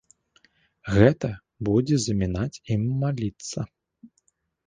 Гэта будзе замінаць ім маліцца.